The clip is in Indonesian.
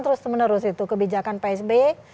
terus menerus itu kebijakan psb